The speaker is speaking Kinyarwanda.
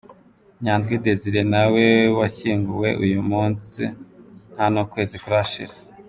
Nyandwi Desire nawe washyinguwe uyu munsi ntanukwezi kurashira.